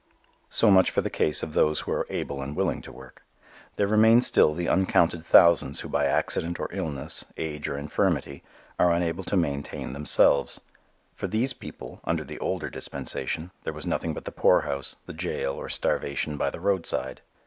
So much for the case of those who are able and willing to work. There remain still the uncounted thousands who by accident or illness, age or infirmity, are unable to maintain themselves. For these people, under the older dispensation, there was nothing but the poorhouse, the jail or starvation by the roadside.